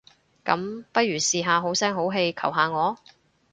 噉，不如試下好聲好氣求下我？